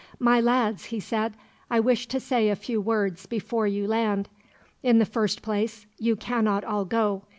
"My lads," he said, "I wish to say a few words, before you land. In the first place, you cannot all go.